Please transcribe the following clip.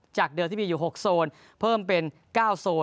จากเดิมที่มีอยู่๖โซนเพิ่มเป็น๙โซน